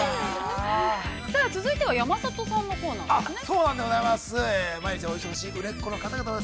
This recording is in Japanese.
◆さあ、続いては山里さんのコーナーですね。